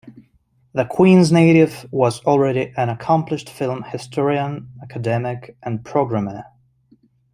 The Queens native was already an accomplished film historian, academic, and programmer.